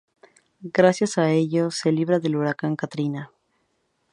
Gracias a ello, se libra del huracán Katrina.